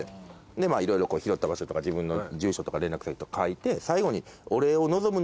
色々拾った場所とか自分の住所とか連絡先とか書いて最後に。